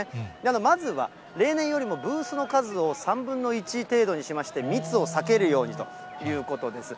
まずは例年よりもブースの数を３分の１程度にしまして、密を避けるようにしたということです。